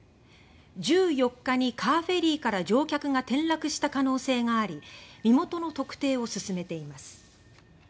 １４日にカーフェリーから乗客が転落した可能性があり身元の特定を進めています。